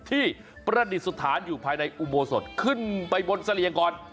ประดิษฐานอยู่ภายในอุโบสถขึ้นไปบนเสลียงก่อน